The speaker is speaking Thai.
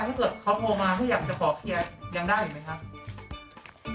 ถ้าเกิดเขาโทรมาเขาอยากจะขอเคลียร์ยังได้อีกไหมครับ